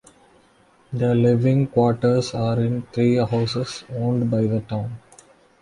The living quarters are in three houses owned by the town.